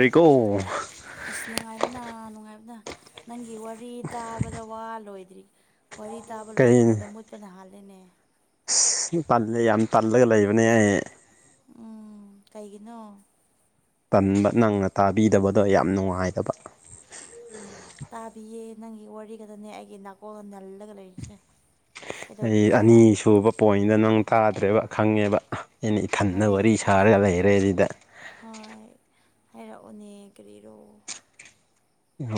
ꯔꯤꯀꯣ ꯑꯁ ꯅꯨꯡꯉꯥꯏꯕꯅ ꯅꯨꯡꯉꯥꯏꯕꯅ ꯅꯪꯒꯤ ꯋꯥꯔꯤ ꯇꯥꯕꯗ ꯋꯥ ꯂꯣꯏꯗ꯭ꯔꯤ ꯋꯥꯔꯤ ꯇꯥꯕ ꯀꯩ ꯂꯣꯏꯗ꯭ꯔꯤꯉꯩꯗ ꯃꯨꯠꯄꯅ ꯍꯥꯜ ꯂꯦꯅꯦ ꯑꯁ ꯇꯜꯂꯦ ꯌꯥꯝ ꯇꯜꯂꯒ ꯂꯩꯕꯅꯦ ꯑꯩ ꯎꯝ ꯀꯩꯒꯤꯅꯣ ꯇꯟꯕ ꯅꯪꯅ ꯇꯥꯕꯤꯗꯕꯗꯣ ꯌꯥꯝ ꯅꯨꯡꯉꯥꯏꯇꯕ ꯇꯥꯕꯤꯌꯦ ꯅꯪꯒꯤ ꯋꯥꯔꯤꯒꯗꯅꯦ ꯑꯩꯒꯤ ꯅꯥꯀꯣꯜꯗ ꯅꯜꯂꯒ ꯂꯩꯔꯤꯁꯦ ꯑꯩ ꯀꯩꯗꯧꯔꯤꯅꯣ ꯑꯅꯤꯁꯨꯕ ꯄꯣꯏꯟꯗ ꯅꯪ ꯇꯥꯗ꯭ꯔꯦꯕ ꯈꯪꯉꯦꯕ ꯑꯩꯅ ꯏꯊꯟꯗ ꯍꯣꯏ ꯋꯥꯔꯤ ꯁꯥꯔꯒ ꯂꯩꯔꯦ ꯁꯤꯗ ꯍꯣꯏ ꯍꯥꯏꯔꯛꯑꯣꯅꯦ ꯀꯔꯤꯔꯣ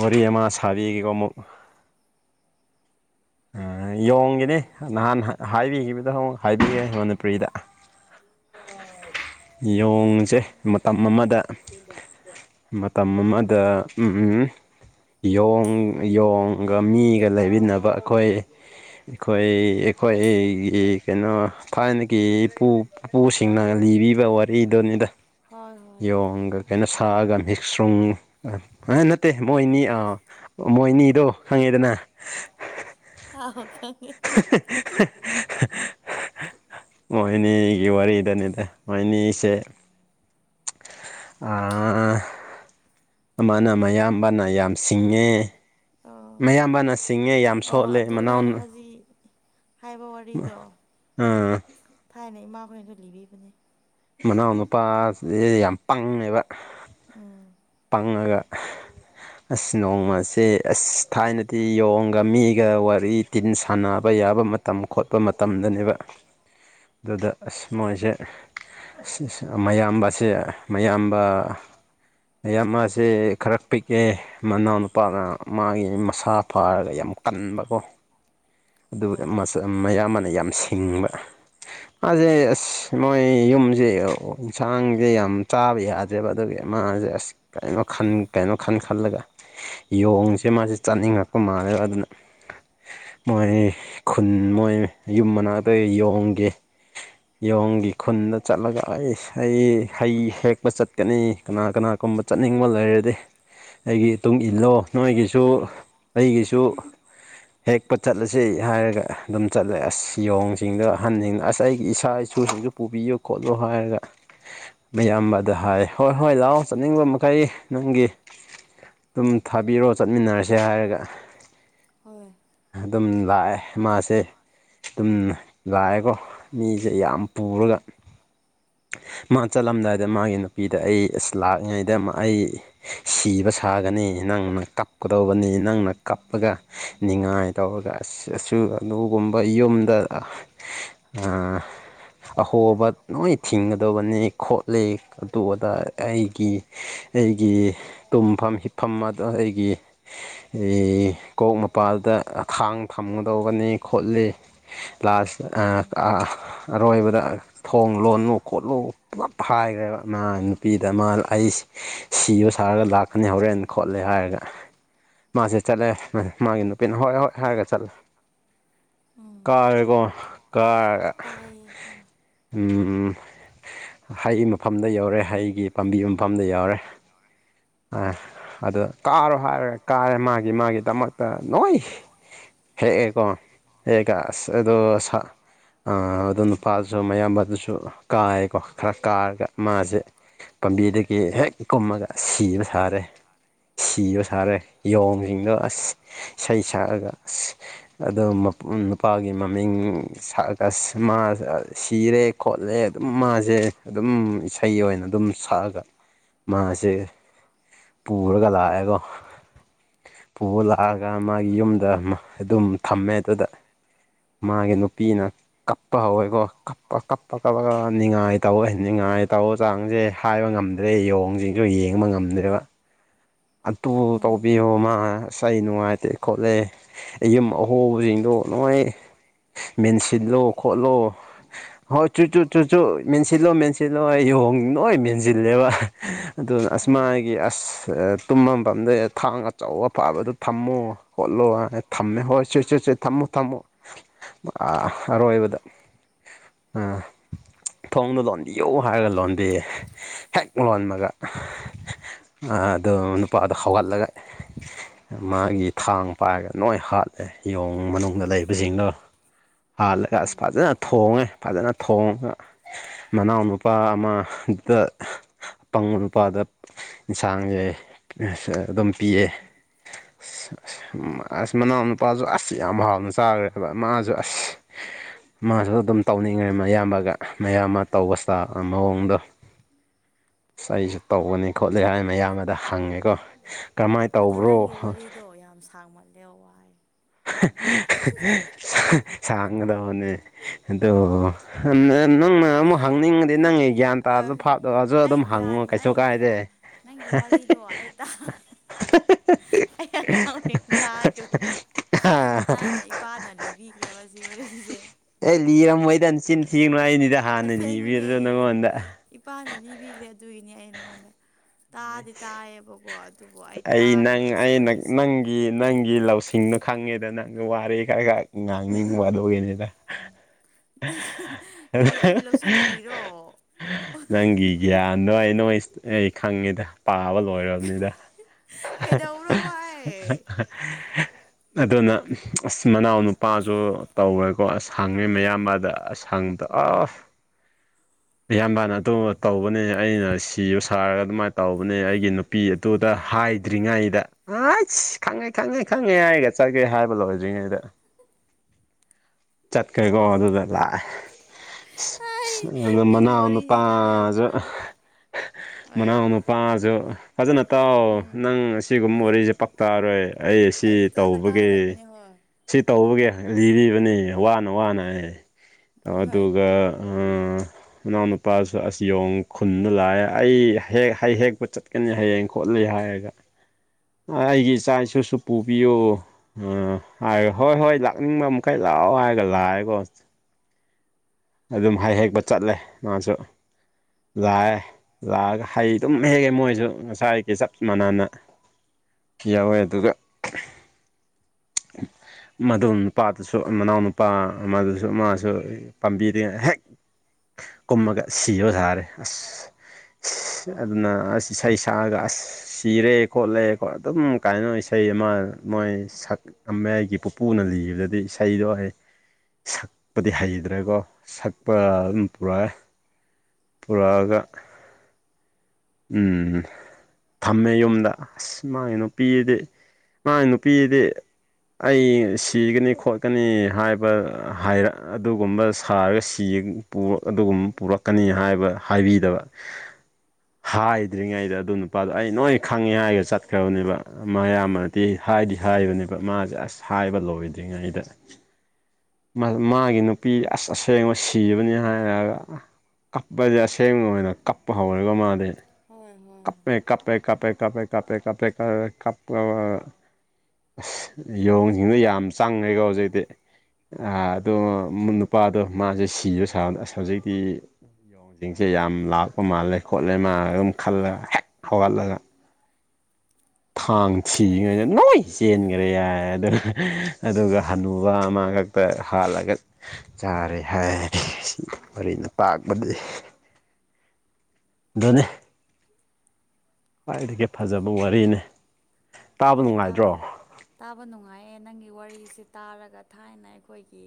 ꯋꯥꯔꯤ ꯑꯃ ꯁꯥꯕꯤꯒꯦꯀꯣ ꯑꯃꯨꯛ ꯎꯝ ꯑ ꯌꯣꯡꯒꯤꯅꯦ ꯅꯍꯥꯟ ꯍ ꯍꯥꯏꯕꯤꯈꯤꯕꯗꯣ ꯑꯃꯨꯛ ꯍꯥꯏꯕꯤꯌꯦ ꯃꯅꯤꯄꯨꯔꯤꯗ ꯌꯣꯡꯁꯦ ꯃꯇꯝ ꯑꯃꯗ ꯃꯇꯝ ꯑꯃꯗ ꯑꯝ ꯌꯣꯡ ꯌꯣꯡꯒ ꯃꯤꯒ ꯂꯩꯃꯤꯟꯅꯕ ꯑꯈꯣꯏ ꯑꯩꯈꯣꯏ ꯑꯩꯈꯣꯏꯒꯤ ꯀꯩꯅꯣ ꯊꯥꯏꯅꯒꯤ ꯄꯨ ꯄꯨꯄꯨꯁꯤꯡꯅ ꯂꯤꯕꯤ ꯕ ꯋꯥꯔꯤꯗꯣꯅꯤꯗ ꯍꯣꯏ ꯍꯣꯏ ꯌꯣꯡꯒ ꯀꯩꯅꯣ ꯁꯥꯒ ꯃꯤꯛꯁ꯭ꯔꯨꯡ ꯑ ꯅꯠꯇꯦ ꯃꯣꯏꯅꯤ ꯑꯥ ꯃꯣꯏꯅꯤꯗꯣ ꯈꯪꯉꯦꯗꯅ ꯑ ꯑꯥꯎ ꯈꯪꯉꯦ ꯃꯣꯏꯅꯤꯒꯤ ꯋꯥꯔꯤꯗꯅꯤꯗ ꯃꯣꯏꯅꯤꯁꯦ ꯑꯥ ꯑꯃꯅ ꯃꯌꯥꯝꯕꯅ ꯌꯥꯝ ꯁꯤꯡꯉꯦ ꯑꯣ ꯃꯌꯥꯝꯕꯅ ꯁꯤꯡꯉꯦ ꯌꯥꯝ ꯑꯣ ꯁꯣꯠꯂꯦ ꯑꯗꯨ ꯅꯪꯅ ꯃꯅꯥꯎꯅ ꯍꯧꯖꯤꯛ ꯍꯥꯏꯕ ꯋꯥꯔꯤꯗꯣ ꯑꯥ ꯊꯥꯏꯅ ꯏꯃꯥꯈꯣꯏꯅꯖꯨ ꯂꯤꯕꯤꯕꯅꯦ ꯃꯅꯥꯎꯅꯨꯄꯥꯖꯤ ꯌꯥꯝ ꯄꯪꯉꯦꯕ ꯎꯝ ꯄꯪꯉꯒ [inaudible] ꯑꯁ ꯅꯣꯡꯃꯁꯦ ꯑꯁ ꯊꯥꯏꯅꯗꯤ ꯌꯣꯡꯒ ꯃꯤꯒ ꯋꯥꯔꯤ ꯇꯤꯟꯁꯥꯟꯅꯕ ꯌꯥ ꯌꯥꯕ ꯃꯇꯝ ꯈꯣꯠꯄ ꯃꯇꯝꯗꯅꯦꯕ ꯑꯗꯨꯗ ꯑꯁ ꯃꯣꯏꯁꯦ ꯁꯤꯁꯦ ꯃꯌꯥꯝꯕꯁꯦ ꯃꯌꯥꯝꯕ ꯃꯌꯥꯝ ꯃꯥꯁꯦ ꯈꯔ ꯄꯤꯛꯑꯦ ꯃꯅꯥꯎꯅꯨꯄꯥꯒ ꯃꯥꯒꯤ ꯃꯁꯥ ꯐꯥꯔꯒ ꯌꯥꯝ ꯀꯟꯕꯀꯣ ꯑꯗꯨꯅꯦ ꯍꯣꯏ ꯃꯥꯁꯦ ꯃꯌꯥꯝꯕꯅ ꯌꯥꯝ ꯁꯤꯡꯕ ꯃꯥꯁꯦ ꯑꯁ ꯃꯣꯏ ꯌꯨꯝꯁꯦ ꯌꯦꯟꯁꯥꯡꯁꯦ ꯌꯥꯝ ꯆꯥꯕ ꯌꯥꯗ꯭ꯔꯦꯕ ꯑꯗꯨꯒꯤ ꯃꯥꯥꯁꯦ ꯑꯁ ꯀꯔꯤꯅꯣ ꯈꯟ ꯀꯩꯅꯣ ꯈꯟ ꯈꯜꯂꯒ ꯌꯣꯡꯁꯦ ꯃꯥꯁꯦ ꯆꯥꯅꯤꯡꯉꯛꯄ ꯃꯥꯜꯂꯦꯕ ꯑꯗꯨꯅ ꯃꯣꯏ ꯈꯨꯟ ꯃꯣꯏ ꯌꯨꯝ ꯃꯅꯥꯛꯇ ꯌꯣꯡꯒꯤ ꯌꯣꯡꯒꯤ ꯈꯨꯟꯗ ꯆꯠꯂꯒ ꯑꯩ ꯑꯩ ꯍꯩ ꯍꯦꯛꯄ ꯆꯠꯀꯅꯤ ꯀꯅꯥ ꯀꯅꯥꯒꯨꯝꯕ ꯆꯠꯅꯤꯡꯕ ꯂꯩꯔꯦ ꯗꯤ ꯑꯩꯒꯤ ꯏꯇꯨꯡ ꯏꯜꯂꯣ ꯅꯣꯏꯒꯤꯁꯨ ꯑꯩꯒꯤꯁꯨ ꯍꯦꯛꯄ ꯆꯠꯂꯁꯤ ꯍꯥꯏꯔꯒ ꯑꯗꯨꯝ ꯆꯠꯂꯦ ꯑꯁ ꯌꯣꯡꯁꯤꯡꯗꯣ ꯑꯍꯟꯁꯤꯡꯗ ꯑꯁ ꯑꯩꯒꯤ ꯏꯆꯥ ꯏꯁꯨꯁꯤꯡꯁꯨ ꯄꯨꯕꯤꯌꯣ ꯈꯣꯠꯂꯣ ꯍꯥꯏꯔꯒ ꯃꯌꯥꯝꯕꯗ ꯍꯥꯏ ꯍꯣꯏ ꯍꯣꯏ ꯂꯥꯛꯑꯣ ꯆꯠꯅꯤꯡꯕ ꯃꯈꯩ ꯅꯪꯒꯤ ꯇꯨꯝ ꯊꯥꯕꯤꯌꯣ ꯆꯠꯃꯤꯟꯅꯔꯁꯦ ꯍꯥꯏꯔꯒ ꯍꯣꯏ ꯑꯗꯨꯝ ꯂꯥꯛꯑꯦ ꯃꯥꯁꯦ ꯑꯗꯨꯝ ꯂꯥꯛꯑꯦꯀꯣ ꯃꯤꯁꯦ ꯌꯥꯝ ꯄꯨꯔꯒ ꯃꯥ ꯆꯠꯂꯝꯗꯥꯏꯗ ꯃꯥꯒꯤ ꯅꯨꯄꯤꯗ ꯑꯩ ꯑꯁ ꯂꯥꯛꯏꯉꯩꯗ ꯑꯩ ꯁꯤꯕ ꯁꯥꯒꯅꯤ ꯅꯪꯅ ꯀꯞꯀꯗꯧꯕꯅꯤ ꯅꯪꯅ ꯀꯞꯄꯒ ꯅꯤꯉꯥꯏ ꯇꯧꯔꯒ ꯑꯁ ꯑꯁꯨ ꯑꯗꯨꯒꯨꯝ ꯒꯨꯝꯕ ꯌꯨꯝꯗ ꯑꯥ ꯑꯍꯣꯕ ꯂꯣꯏ ꯊꯤꯡꯒꯗꯕꯅꯤ ꯈꯣꯠꯂꯤ ꯑꯗꯨ ꯑꯗꯥ ꯑꯩꯒꯤ ꯑꯩꯒꯤ ꯇꯨꯝꯐꯝ ꯍꯤꯞꯐꯝ ꯑꯗ ꯑꯩꯒꯤ ꯀꯣꯛ ꯃꯄꯥꯜꯗ ꯈꯥꯡ ꯊꯝꯒꯗꯧꯕꯅꯦ ꯈꯣꯠꯂꯤ ꯂꯥꯁ ꯎꯝ ꯑꯥ ꯑꯔꯣꯏꯕꯗ ꯊꯣꯡ ꯂꯣꯜꯂꯨ ꯈꯣꯠꯂꯨ ꯄꯨꯂꯞ ꯍꯥꯏꯈ꯭ꯔꯦꯕ ꯃꯥ ꯅꯨꯄꯤꯗ ꯃꯥ ꯑꯩꯁ ꯁꯤꯕ ꯁꯥꯔꯒ ꯂꯥꯛꯀꯅꯤ ꯍꯧꯔꯦꯟ ꯈꯣꯠꯂꯦ ꯍꯥꯏꯔꯒ ꯃꯥꯁꯦ ꯆꯠꯂꯦ ꯃꯥꯒꯤ ꯅꯨꯄꯤꯅ ꯍꯣꯏ ꯍꯣꯏ ꯍꯥꯏꯔꯒ ꯆꯠꯂꯦ ꯎꯝ ꯀꯥꯔꯦꯀꯣ ꯀꯥꯒ ꯇꯥꯏꯌꯦ ꯍꯣꯏ ꯎꯝ ꯍꯩ ꯃꯐꯝꯗ ꯌꯧꯔꯦ ꯍꯩꯒꯤ ꯄꯥꯝꯕꯤ ꯃꯐꯝꯗ ꯌꯧꯔꯦ ꯑꯗꯨ ꯀꯥꯔꯣ ꯍꯥꯏꯔꯦ ꯀꯥꯔꯦ ꯃꯥꯒꯤ ꯃꯥꯒꯤꯗꯃꯛꯇ ꯅꯣꯏ ꯍꯦꯛꯑꯦꯀꯣ ꯍꯦꯛꯒ ꯑꯁ ꯑꯗꯨ ꯑꯥ ꯑꯗꯨꯅ ꯅꯨꯄꯥꯗꯨꯁꯨ ꯃꯌꯥꯝꯕ ꯑꯗꯨꯁꯨ ꯀꯥꯏꯌꯦꯀꯣ ꯈꯔ ꯀꯥꯔꯒ ꯃꯥꯁꯦ ꯄꯥꯝꯕꯤꯗꯒꯤ ꯍꯦꯛ ꯀꯨꯝꯃꯒ ꯁꯤꯕ ꯁꯥꯔꯦ ꯁꯤꯕ ꯁꯥꯔꯦ ꯌꯦꯡꯁꯤꯡꯗꯣ ꯑꯁ ꯏꯁꯩ ꯁꯛꯑꯒ ꯑꯁ ꯑꯗꯨꯝ ꯅꯨꯄꯥꯒꯤ ꯃꯃꯤꯡ ꯁꯛ ꯑꯒ ꯃꯥ ꯁꯤꯔꯦ ꯈꯣꯠꯂꯦ ꯑꯗꯨꯝ ꯃꯥꯁꯦ ꯑꯗꯨꯝ ꯏꯁꯩ ꯑꯣꯏꯅ ꯑꯗꯨꯝ ꯁꯛꯑꯒ ꯃꯥꯁꯦ ꯄꯨꯔꯒ ꯂꯥꯛꯑꯦꯀꯣ ꯄꯨ ꯂꯥꯛꯑꯒ ꯃꯥꯒꯤ ꯌꯨꯝꯗ ꯑꯗꯨꯝ ꯊꯝꯃꯦ ꯑꯗꯨꯗ ꯃꯥꯒꯤ ꯅꯨꯄꯤꯅ ꯀꯞꯄ ꯍꯧꯋꯦ ꯑꯣ ꯀꯞꯄ ꯀꯞꯄ ꯀꯞꯄꯒ ꯅꯤꯉꯥꯏ ꯇꯧꯋ ꯉꯥꯏ ꯇꯧꯔ ꯆꯥꯡꯁꯦ ꯍꯥꯏꯕ ꯉꯝꯗ꯭ꯔꯦ ꯌꯣꯡ ꯌꯣꯡꯁꯤꯡꯁꯨ ꯌꯦꯡꯕ ꯉꯝꯗ꯭ꯔꯦꯕ ꯑꯗꯨ ꯎꯝ ꯇꯧꯕꯤꯌꯨ ꯃꯥ ꯉꯁ ꯑꯩ ꯅꯨꯡꯉꯥꯏꯇꯦ ꯈꯣꯠꯂꯦ ꯌꯨꯝ ꯑꯍꯣꯕꯁꯤꯡꯗꯣ ꯅꯣꯏ ꯃꯦꯟꯁꯤꯠꯂꯣ ꯈꯣꯠꯂꯣ ꯍꯣꯏ ꯆꯨ ꯆꯨ ꯆꯨꯆꯨ ꯃꯦꯟꯁꯤꯜꯂꯣ ꯃꯦꯟꯁꯤꯜꯂꯣ ꯌꯦꯡ ꯅꯣꯏ ꯃꯦꯟꯁꯤꯜꯂꯦꯕ ꯑꯗꯨꯅ ꯑꯁ ꯍꯣꯏ ꯃꯥꯒꯤ ꯑꯁ ꯇꯨꯝꯃꯐꯝꯗꯩ ꯊꯥꯡ ꯑꯆꯧꯕ ꯐꯕꯗ ꯊꯝꯃꯣ ꯈꯣꯠꯂꯣ ꯍꯥꯏꯅ ꯊꯝꯃꯦ ꯍꯣꯏ ꯁꯨꯠ ꯆꯨꯠ ꯆꯨꯠ ꯊꯝꯃꯣ ꯊꯝꯃꯣ ꯑꯔꯣꯏꯕꯗ ꯑꯥ ꯊꯣꯡꯅ ꯂꯣꯟꯕꯤꯌꯨ ꯍꯥꯏꯔꯒ ꯂꯣꯟꯕꯤꯌꯦ ꯍꯦꯛ ꯂꯣꯟꯃꯒ ꯑꯗꯣ ꯅꯨꯄꯥꯗꯣ ꯍꯧꯒꯠꯂꯒ ꯃꯥꯒꯤ ꯊꯥꯡ ꯄꯥꯏꯔꯒ ꯂꯣꯏ ꯍꯥꯠꯂꯦ ꯌꯣꯡ ꯃꯅꯨꯡꯗ ꯂꯩꯕꯁꯤꯡꯅꯣ ꯍꯥꯜꯂꯒ ꯑꯁ ꯐꯖꯅ ꯊꯣꯡꯉꯦ ꯐꯖꯅ ꯊꯣꯡ ꯈꯣꯡ ꯃꯅꯥꯎ ꯅꯨꯄꯥ ꯑꯃꯗ ꯑꯄꯪꯕ ꯅꯨꯄꯥꯗ ꯌꯦꯟꯁꯥꯡꯁꯦ ꯏꯁ ꯑꯗꯨꯝ ꯄꯤꯑꯦ ꯑꯁ ꯑꯁ ꯃꯅꯥꯎꯅꯨꯄꯥꯁꯨ ꯑꯁ ꯌꯥꯝ ꯍꯥꯎꯅ ꯆꯥꯈ꯭ꯔꯦꯕ ꯃꯥꯁꯨ ꯑꯁ ꯃꯥꯁꯨ ꯑꯗꯨꯝ ꯇꯧꯅꯤꯡꯈ꯭ꯔꯦ ꯃꯌꯥꯝꯕꯒ ꯃꯌꯥꯝꯕ ꯇꯧꯕꯁꯤꯗ ꯃꯑꯣꯡꯗꯣ ꯑꯁ ꯑꯩꯁꯨ ꯇꯧꯕꯅꯤ ꯈꯣꯠꯂꯦ ꯍꯥꯏꯅ ꯃꯌꯥꯝ ꯑꯗ ꯍꯪꯉꯦꯀꯣ ꯀꯔꯝꯍꯥꯏꯅ ꯑꯗꯣ ꯇꯧꯕ꯭ꯔꯣ ꯅꯪꯒꯤ ꯋꯥꯔꯤꯗꯣ ꯌꯥꯝ ꯁꯥꯡꯃꯜꯂꯦ ꯋꯥꯏ ꯍꯥꯍꯤ ꯍꯥꯍꯤ ꯁꯥꯡꯒꯗꯣꯅꯦ ꯑꯗꯣ ꯍꯣꯏ ꯅꯪ ꯑꯃꯨꯛ ꯍꯪꯅꯤꯡꯉꯗꯤ ꯅꯪꯒꯤ ꯒ꯭ꯌꯥꯟ ꯑ ꯇꯥꯔꯗ ꯐꯥꯞꯗꯣꯛꯁꯨ ꯑꯩ ꯑꯗꯨꯝ ꯍꯪꯉꯣ ꯒ꯭ꯌꯥꯟ ꯀꯩꯁꯨ ꯑꯩ ꯀꯥꯏꯗꯦ ꯒ꯭ꯌꯥꯟ ꯅꯪꯒꯤ ꯋꯥꯔꯤꯗꯣ ꯍꯤꯍꯤꯍꯤ ꯑꯩ ꯇ ꯑꯩ ꯑꯉꯥꯡ ꯑꯣꯏꯔꯤꯉꯥꯏ ꯇꯥꯈꯔꯦ ꯊꯥꯏꯅ ꯏꯄꯥꯅ ꯂꯤꯕꯤꯈ꯭ꯔꯦ ꯁꯤ ꯋꯥꯔꯤꯁꯦ ꯑꯦ ꯂꯤꯔꯝꯃꯣꯏꯗ ꯅꯆꯤꯟ ꯊꯤꯒꯅꯣ ꯑꯩꯅꯤꯗ ꯍꯥꯟꯅ ꯑꯁꯦꯡꯕꯅꯦ ꯂꯤꯕꯤꯗ꯭ꯔꯣ ꯅꯪꯉꯣꯟꯗ ꯏꯄꯥꯅ ꯂꯤꯕꯤꯈ꯭ꯔꯦ ꯑꯗꯨꯒꯤꯅꯤ ꯑꯩ ꯅꯉꯣꯟꯗ ꯇꯥꯗꯤ ꯇꯥꯏꯌꯦꯕꯀꯣ ꯑꯗꯨꯕꯨ ꯑꯩ ꯅꯪ ꯇꯥꯈ꯭ꯔꯦꯕ ꯁꯤ ꯑꯩ ꯋꯥꯔꯤꯁꯦ ꯅꯪꯒꯤ ꯅꯪꯒꯤ ꯂꯧꯁꯤꯡꯅꯣ ꯈꯪꯉꯦꯗ ꯅꯪ ꯋꯥꯔꯦ ꯈꯔ ꯈꯔ ꯉꯥꯡꯅꯤꯡꯕ ꯑꯗꯨ ꯒꯤꯅꯤꯗ ꯀꯔꯤ ꯑꯩꯒꯤ ꯂꯧꯁꯤꯡ ꯀꯔꯤꯔꯣ ꯅꯪꯒꯤ ꯒ꯭ꯌꯥꯟꯗꯣ ꯑꯩ ꯅ ꯑꯩ ꯈꯪꯉꯤꯗ ꯄꯥꯕ ꯂꯣꯏꯔꯕꯅꯤꯗ ꯀꯩꯗꯧꯔꯣ ꯚꯥꯏ [unintelligible] ꯑꯗꯨꯅ ꯑꯁ ꯃꯅꯥꯎ ꯅꯨꯄꯥꯁꯨ ꯇꯧꯋꯦ ꯀꯣ ꯑꯁꯥꯡꯉ ꯃꯌꯥꯝ ꯑꯗ ꯑꯁꯥꯡꯕꯗꯣ ꯑꯐ ꯏꯌꯥꯝꯕꯅ ꯑꯗꯨꯕ ꯇꯧꯕꯅꯦ ꯑꯩꯅ ꯁꯤꯕ ꯁꯥꯔꯒ ꯑꯗꯨꯃꯥꯏꯅ ꯇꯧꯕꯅꯦ ꯑꯩꯒꯤ ꯅꯨꯄꯤ ꯗ ꯍꯣꯏꯅꯦ ꯍꯥꯏꯗ꯭ꯔꯤꯉꯩꯗ ꯑꯩꯁ ꯈꯪꯉꯦ ꯈꯪꯉꯦ ꯈꯪꯉꯦ ꯍꯥꯏꯒ ꯆꯠꯀꯦ ꯍꯥꯏꯕ ꯂꯣꯏꯗ꯭ꯔꯤꯉꯩꯗ ꯆꯠꯈꯦꯀꯣ ꯑꯗꯨꯗ ꯂꯥꯛꯑꯦ ꯁꯤ ꯑꯩ ꯁꯤ ꯑꯗꯨ ꯅꯪꯒꯤ ꯋꯥꯔꯤꯁꯤ ꯇꯥꯕ ꯌꯥꯝ ꯃꯅꯥꯎꯅꯨꯄꯥꯖꯨ ꯅꯨꯡꯉꯥꯏ ꯍꯣꯏ ꯃꯅꯥꯎꯅꯨꯄꯥꯥꯁꯨ ꯐꯖꯅ ꯑꯧ ꯎꯝ ꯅꯪ ꯑꯁꯤꯒꯨꯝꯕ ꯐꯖ ꯋꯥꯔꯤꯁꯦ ꯄꯥꯛꯇꯥꯔꯣꯏ ꯑꯩ ꯁꯤ ꯐꯖꯅ ꯇꯥꯔ ꯇꯧꯕꯒꯤ ꯂꯩꯕꯅꯦ ꯍꯣꯏ ꯁꯤ ꯇꯧꯕꯒꯤ ꯂꯤꯕꯤꯕꯅꯦ ꯋꯥꯅ ꯋꯥꯅ ꯍꯥꯏ ꯍꯣꯏ ꯑꯗꯨꯒ ꯃꯅꯥꯎꯅꯨꯄꯥꯁꯨ ꯑꯁ ꯌꯣꯡ ꯈꯨꯟꯗ ꯂꯥꯛꯑꯦ ꯑꯩ ꯍꯦꯛ ꯍꯩ ꯍꯦꯛꯄ ꯆꯠꯀꯅꯤ ꯍꯌꯦꯡ ꯈꯣꯠꯂꯦ ꯍꯥꯏꯔꯒ ꯑꯩꯒꯤ ꯏꯆꯥ ꯏꯁꯨꯁꯨ ꯄꯨꯕꯤꯌꯨ ꯍꯥꯢ ꯍꯣꯏ ꯍꯣꯏ ꯂꯥꯛꯅꯤꯡꯕ ꯃꯈꯩ ꯂꯥꯛꯑꯣ ꯍꯥꯏꯒꯂ ꯂꯥꯛꯑꯦꯒꯣ ꯑꯗꯨꯝ ꯍꯩ ꯍꯦꯛꯄ ꯆꯠꯂꯦ ꯃꯥꯁꯨ ꯂꯥꯛꯑꯦ ꯂꯥꯛꯑꯒ ꯍꯩ ꯑꯗꯨꯝ ꯍꯦꯛꯑꯦ ꯃꯣꯏꯁꯨ ꯉꯁꯥꯏꯒꯤ ꯆꯞ ꯃꯥꯟꯅꯅ ꯌꯥꯎꯋꯦ ꯑꯗꯨꯒ ꯃꯗꯨ ꯅꯨꯄꯥꯗꯨꯁꯨ ꯃꯅꯥꯎ ꯅꯨꯄꯥ ꯑꯃꯗꯨꯁꯨ ꯃꯥꯁꯨ ꯄꯥꯝꯕꯤꯗ ꯍꯦꯛ ꯀꯨꯝꯃꯒ ꯁꯤꯕ ꯁꯥꯔꯦ ꯑꯁ ꯑꯗꯨꯅ ꯑꯁ ꯏꯁꯩ ꯁꯛꯑꯒ ꯑꯁ ꯁꯤꯔꯦ ꯈꯣꯠꯂꯦꯣ ꯑꯗꯨꯝ ꯀꯥꯏꯅꯣ ꯏꯁꯩ ꯁꯩ ꯑꯃ ꯃꯣꯏ ꯁꯛꯑꯝꯃꯦ ꯑꯩꯒꯤ ꯄꯨꯄꯨꯅ ꯂꯤꯕꯗꯗꯤ ꯏꯁꯩꯗꯣ ꯑꯩ ꯁꯛꯄꯗꯤ ꯍꯩꯗ꯭ꯔꯦꯀꯣ ꯁꯛꯄ ꯑꯗꯨꯝ ꯄꯨꯔꯛꯑꯦ ꯄꯨꯔꯛꯑꯒ ꯎꯝ ꯊꯝꯃꯦ ꯌꯨꯝꯗ ꯑꯁ ꯃꯥꯒꯤ ꯅꯨꯄꯤꯗꯤ ꯃꯥꯒꯤ ꯅꯨꯄꯤꯗꯤ ꯑꯩ ꯁꯤꯒꯅꯤ ꯈꯣꯠꯀꯅꯤ ꯍꯥꯏꯕ ꯍꯥꯢꯔ ꯑꯗꯨꯒꯨꯝꯕ ꯁꯥꯔꯒ ꯁꯤ ꯌꯦꯡ ꯄꯨ ꯑꯗꯨꯒꯨꯝ ꯄꯨꯔꯛꯀꯅꯤ ꯍꯥꯏꯕ ꯍꯥꯏꯕꯤꯗꯕ ꯍꯥꯏꯗ꯭ꯔꯤꯉꯩꯗ ꯑꯗꯨ ꯅꯨꯄꯥꯗꯣ ꯑꯩ ꯅꯣꯏ ꯈꯪꯉꯦ ꯍꯥꯏꯔ ꯆꯠꯈ꯭ꯔꯕꯅꯦꯕ ꯎꯝ ꯃꯌꯥꯝꯕꯅꯗꯤ ꯍꯥꯏꯗꯤ ꯍꯥꯏꯕꯅꯦꯕ ꯃꯥꯁꯦ ꯑꯁ ꯍꯥꯏꯕ ꯂꯣꯏꯗ꯭ꯔꯤꯉꯩꯗ ꯃ ꯃꯥꯒꯤ ꯅꯨꯄꯤ ꯑꯁ ꯑꯁꯦꯡꯕ ꯁꯤꯕꯅꯦ ꯍꯥꯏꯔꯒ ꯀꯞꯄꯁꯦ ꯑꯁꯦꯡꯕ ꯑꯣꯏꯅ ꯀꯞꯄ ꯍꯧꯔꯒ ꯃꯥꯗꯤ ꯍꯣꯏ ꯍꯣꯏ ꯀꯞꯄꯦ ꯀꯞꯄꯦ ꯀꯞꯄꯦ ꯀꯞꯄꯦ ꯀꯞꯄꯦ ꯀꯞꯄꯦ ꯀ ꯀꯞ ꯑ ꯑꯁ ꯌꯣꯡꯁꯤꯡꯗ ꯌꯥꯝ ꯆꯪꯉꯦꯀꯣ ꯍꯧꯖꯤꯛꯇꯤ ꯑꯗꯣ ꯅꯨꯄꯥꯗꯣ ꯃꯥꯁꯦ ꯁꯤꯕ ꯁꯥꯕꯗꯣ ꯑꯁ ꯍꯧꯖꯤꯛꯇꯤ ꯌꯣꯡꯁꯤꯡꯁꯦ ꯌꯥꯝ ꯂꯥꯛꯄ ꯃꯥꯜꯂꯦ ꯈꯣꯠꯂꯦꯅ ꯑꯗꯨꯝ ꯈꯜꯂꯒ ꯍꯦꯛ ꯍꯧꯒꯠꯂꯒ ꯊꯥꯡ ꯊꯤꯔꯤꯉꯩꯗ ꯅꯣꯏ ꯆꯦꯟꯈ꯭ꯔꯦ ꯍꯥꯏ ꯑꯗꯨꯒ ꯑꯗꯨꯒ ꯍꯅꯨꯕ ꯑꯃ ꯃꯉꯛꯇ ꯍꯥꯠꯂꯒ ꯆꯥꯔꯦ ꯍꯥꯏꯌꯦ ꯁꯤ ꯃꯔꯤꯅ ꯇꯥꯛꯄꯗꯤ [inaudible] ꯗꯨꯅꯦ ꯈ꯭ꯋꯥꯏꯗꯒꯤ ꯀꯔꯤ ꯐꯖꯕ ꯋꯥꯔꯤꯅꯦ ꯇꯥꯕ ꯅꯨꯡꯉꯥꯏꯗ꯭ꯔꯣ ꯑꯦ ꯅꯪꯒꯤ ꯋꯥꯔꯤꯁꯤ ꯇꯥꯔꯒ ꯊꯥꯏꯅ ꯑꯩꯈꯣꯏꯒꯤ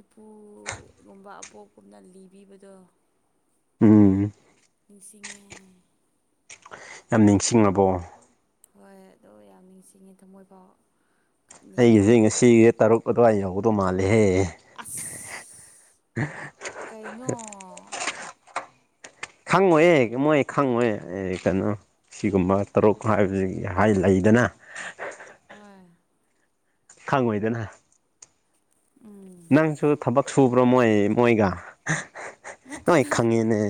ꯏꯄꯨꯒꯨꯝꯕ ꯑꯕꯣꯛꯀꯨꯝꯅ ꯂꯤꯕꯤꯕꯗꯣ ꯎꯝ ꯅꯤꯡꯁꯤꯡꯉꯦ ꯌꯥꯝ ꯅꯤꯡꯁꯤꯡꯉꯕꯣ ꯍꯣꯏ ꯑꯗꯣ ꯌꯥꯝ ꯅꯤꯡꯁꯤꯡꯉꯦ ꯊꯃꯣꯏ ꯐꯥꯎ ꯑꯩꯒꯤꯁꯦ ꯉꯁꯤ ꯇꯔꯨꯛ ꯑꯗꯨꯋꯥꯏ ꯌꯧꯕꯗꯣ ꯃꯥꯜꯂꯦꯍꯦ ꯑꯁ ꯀꯩꯅꯣ [inaudible] ꯈꯪꯉꯣꯏꯌꯦ ꯃꯣꯏ ꯈꯪꯉꯣꯏ ꯀꯩꯅꯣ ꯁꯤꯒꯨꯝꯕ ꯇꯔꯨꯛ ꯍꯥꯏꯕꯁꯤ ꯍꯥꯏ ꯂꯩꯗꯅ [inaudible] ꯍꯣꯏ ꯈꯪꯉꯣꯢꯗꯅ ꯎꯝ ꯅꯪꯁꯨ ꯊꯕꯛ ꯁꯨꯕ꯭ꯔꯣ ꯃꯣꯏ ꯃꯣꯏꯒ ꯅꯣꯏ ꯅꯠꯇꯦꯗ ꯈꯪꯉꯦꯅꯦ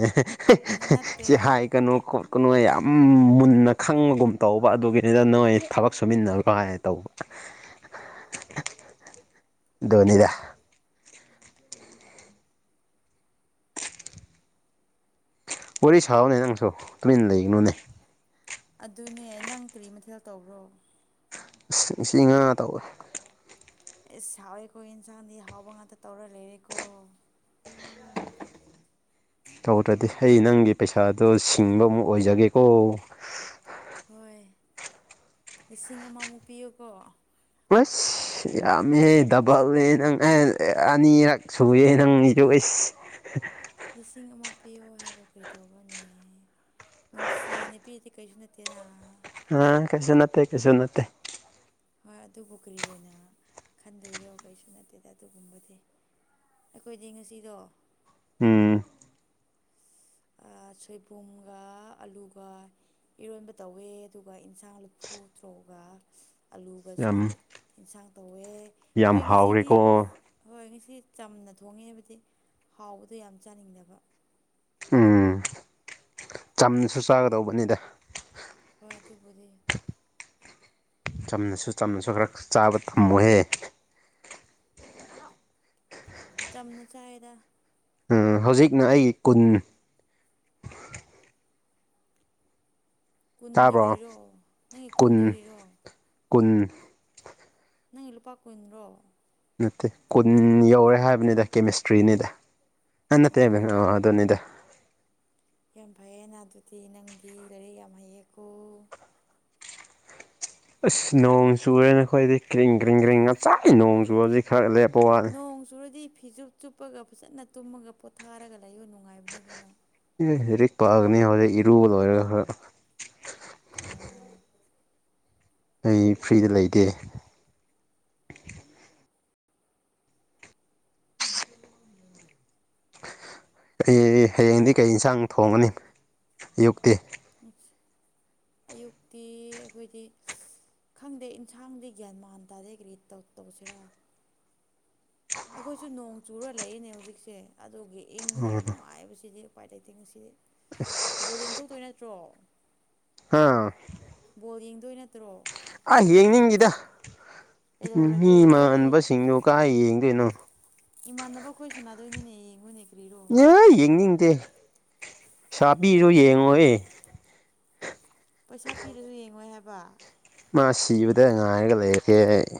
ꯁꯤ ꯅꯠꯇꯦꯗ ꯍꯥꯏꯒꯅꯨ ꯈꯣ ꯀꯅꯣꯏ ꯌꯥꯝ ꯃꯨꯟꯅ ꯈꯪꯕꯒꯨꯝ ꯇꯧꯕ ꯑꯗꯨꯒꯤꯅꯤꯗ ꯅꯣꯏ ꯊꯕꯛ ꯁꯨꯃꯤꯟꯅꯒꯅꯣ ꯍꯥꯢ ꯇꯧꯕ ꯗꯣꯅꯤꯗ ꯋꯥꯔꯤ ꯁꯥꯎꯅꯦ ꯅꯪꯁꯨ ꯇꯨꯃꯤꯟ ꯂꯩꯒꯅꯨꯅꯦ ꯑꯗꯨꯅꯦ ꯅꯪ ꯀꯔꯤ ꯃꯊꯦꯜ ꯇꯧꯕ꯭ꯔꯣ ꯑꯁ ꯉꯁꯤ ꯉꯥ ꯇꯧꯋꯦ ꯑꯦꯁ ꯍꯥꯎꯋꯦꯀꯣ ꯏꯟꯁꯥꯡꯗꯤ ꯍꯥꯎꯕ ꯉꯥꯛꯇ ꯇꯧꯔ ꯂꯩꯔꯦꯀꯣ ꯇꯧꯗ꯭ꯔꯗꯤ ꯑꯩ ꯅꯪꯒꯤ ꯄꯩꯁꯥꯗꯣ ꯁꯤꯡꯕ ꯑꯃꯨꯛ ꯑꯣꯏꯖꯒꯦꯀꯣ ꯍꯣꯏ ꯂꯤꯁꯤꯡ ꯑꯃꯃꯨꯛ ꯄꯤꯌꯨꯀꯣ ꯑꯁ ꯌꯥꯝꯃꯦꯍꯦ ꯗꯕꯜꯅꯦ ꯅꯪ ꯑꯦ ꯑꯅꯤꯔꯛ ꯁꯨꯌꯦ ꯅꯪꯒꯤꯗꯨ ꯑꯩꯁ [inaudible] ꯂꯤꯁꯤꯡ ꯑꯃ ꯄꯤꯌꯣ ꯍꯥꯏꯕꯨ ꯀ꯭ꯔꯤ ꯇꯧꯕ꯭ꯔꯅꯦ ꯅꯨꯡꯁꯤꯅ ꯄꯤꯔꯗꯤ ꯀꯩꯁꯨ ꯅꯠꯇꯦꯅ ꯑ ꯀꯩꯁꯨ ꯅꯠꯇꯦ ꯀꯩꯁꯨ ꯅꯠꯇꯦ ꯍꯣꯏ ꯑꯗꯨꯕꯨ ꯀꯔꯤ ꯑꯣꯏꯅ ꯈꯟꯗꯣꯏꯔꯣ ꯀꯩꯁꯨ ꯅꯠꯇꯦꯗ ꯑꯗꯨꯒꯨꯝꯕꯗꯤ ꯑꯩꯈꯣꯏꯗꯤ ꯉꯁꯤꯗꯣ ꯎꯝ [inaudible] ꯁꯣꯏꯕꯨꯝꯒ ꯑꯂꯨꯒ ꯏꯔꯣꯟꯕ ꯇꯧꯋꯦ ꯑꯗꯨꯒ ꯏꯟꯁꯥꯡ ꯂꯐꯨ ꯊ꯭ꯔꯣ [inaudible] ꯑꯂꯨꯒꯁꯨ ꯌꯥꯝ ꯑꯦꯟꯁꯥꯡ ꯇꯧꯋꯦ ꯌꯥꯝ ꯈꯣꯏ ꯉꯁꯤꯗꯤ ꯍꯥꯎꯔꯦꯀꯣ ꯍꯣꯏ ꯉꯁꯤ ꯆꯝꯅ ꯊꯣꯡꯉꯦ ꯍꯥꯏꯕꯗꯤ ꯍꯥꯎꯕꯗꯣ ꯌꯥꯝ ꯆꯥꯅꯤꯡꯗꯕ ꯎꯝ ꯆꯝꯅꯁꯨ ꯆꯥꯒꯗꯧꯕꯅꯤꯗ ꯍꯣꯏ ꯑꯗꯨꯕꯨꯗꯤ ꯆꯝꯅꯁꯨ ꯆꯝꯅꯁꯨ ꯈꯔ ꯆꯥꯕ ꯇꯝꯃꯨꯍꯦ ꯆꯝꯅ ꯆꯥꯏꯌꯦꯗ ꯑꯥ ꯍꯧꯖꯤꯛꯅ ꯑꯩꯒꯤ ꯀꯨꯟ ꯀꯨꯟꯗꯤ ꯇꯥꯕ꯭ꯔꯣ ꯀꯔꯤꯔꯣ ꯅꯪꯒꯤ ꯀꯨꯟꯗꯤ ꯀꯨꯟ ꯀ꯭ꯔꯤꯔꯣ ꯀꯨꯟ ꯅꯪꯒꯤ ꯂꯨꯄꯥ ꯀꯨꯟꯔꯣ ꯅꯠꯇꯦ ꯀꯨꯟ ꯌꯧꯔꯦ ꯍꯥꯏꯕꯅꯤꯗ ꯀꯦꯃꯤꯁꯇ꯭ꯔꯤꯅꯤꯗ ꯑꯥ ꯅꯠꯇꯦꯕ ꯑꯣ ꯑꯗꯨꯅꯤꯗ ꯌꯥꯝ ꯐꯩꯌꯦꯅ ꯑꯗꯨꯗꯤ ꯅꯪꯗꯤ ꯂꯥꯏꯔꯤꯛ ꯌꯥꯝ ꯍꯩꯌꯦꯀꯣ ꯑꯁ ꯅꯣꯡ ꯆꯨꯋꯦ ꯅꯦ ꯑꯩꯈꯣꯏꯗꯤ ꯀ꯭ꯔꯤꯡ ꯀ꯭ꯔꯤꯡ ꯀ꯭ꯔꯤꯡ ꯉꯁꯥꯢ ꯅꯣꯡ ꯆꯨꯕꯗꯤ ꯈꯔ ꯂꯦꯞ ꯅꯣꯡ ꯆꯨꯔꯗꯤ ꯐꯤꯖꯨꯞ ꯆꯨꯞꯄꯒ ꯐꯖꯅ ꯇꯨꯝꯃꯒ ꯄꯣꯊꯥꯔꯒ ꯂꯩꯌꯣ ꯅꯨꯡꯉꯥꯏꯕꯅꯦ ꯑꯗꯨꯅ ꯂꯔꯤꯛ ꯄꯥꯒꯅꯤ ꯍꯣꯔꯦꯟ ꯏꯔꯨ ꯂꯣꯢꯔꯒ ꯑꯣ ꯑꯩ ꯐ꯭ꯔꯤꯗ ꯂꯩꯇꯦ ꯑꯩ ꯍꯌꯦꯡꯗꯤ ꯀꯩ ꯌꯦꯟꯁꯥꯡ ꯊꯣꯡꯉꯅꯤ ꯑꯌꯨꯛꯇꯤ ꯑꯌꯨꯛꯇꯤ ꯑꯩꯈꯣꯏꯒꯤ ꯈꯪꯗꯦ ꯏꯟꯁꯥꯡꯗꯤ ꯒ꯭ꯌꯥꯟ ꯃꯥꯟ ꯇꯥꯗꯦ ꯀꯔꯤ ꯇꯧꯁꯤꯔꯥ ꯑꯩꯈꯣꯏꯁꯨ ꯅꯣꯡ ꯆꯨꯔ ꯂꯩꯌꯦꯅꯦ ꯍꯧꯖꯤꯛꯁꯦ ꯑꯗꯨꯒꯤ ꯏꯪꯉꯒ ꯅꯨꯡꯉꯥꯏꯕꯁꯤꯗꯤ ꯎꯄꯥꯏ ꯂꯩꯇꯦ ꯉꯁꯤꯗꯤ ꯕꯣꯜ ꯌꯦꯡ ꯊꯣꯛꯇꯣꯏ ꯅꯠꯇ꯭ꯔꯣ ꯑꯥ ꯕꯣꯜ ꯌꯦꯡꯗꯣꯏ ꯅꯠꯇ꯭ꯔꯣ ꯑꯁ ꯌꯦꯡꯅꯤꯡꯗꯦꯗ ꯃꯤ ꯀꯩꯗꯧꯔꯒꯦ ꯑꯩꯈꯣꯏ ꯃꯥꯟꯕꯁꯤꯡꯗꯨ ꯀꯥꯏ ꯌꯦꯡꯗꯣꯏꯅꯣ ꯏꯃꯥꯟꯅꯕ ꯈꯣꯏ ꯁꯥꯟꯅꯗꯣꯏꯅꯤꯅꯦ ꯌꯦꯡꯉꯨꯅꯦ ꯀꯔꯤꯔꯣ ꯌꯥ ꯌꯦꯡꯅꯤꯡꯗꯦ ꯄꯩꯁꯥ ꯄꯤꯔ ꯌꯦꯡꯉꯣꯢꯌꯦ ꯄꯩꯁꯥ ꯄꯤꯔꯁꯨ ꯌꯦꯡꯉꯣꯏ ꯍꯥꯏꯕ ꯃꯥ ꯁꯤꯕꯗ ꯉꯥꯏꯔꯒ ꯂꯩꯔꯦ ꯑꯩ